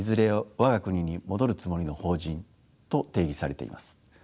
我が国に戻るつもりの邦人と定義されています。